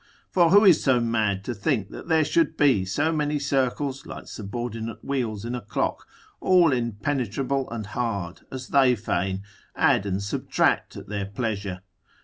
For who is so mad to think that there should be so many circles, like subordinate wheels in a clock, all impenetrable and hard, as they feign, add and subtract at their pleasure.